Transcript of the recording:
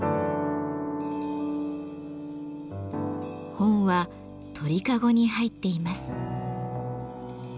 本は鳥籠に入っています。